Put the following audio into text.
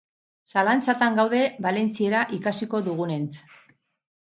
Zalantzatan gaude valentziera ikasiko dugunentz.